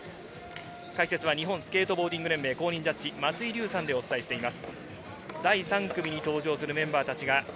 解説は日本スケートボーディング連盟公認ジャッジ、松井立さんです。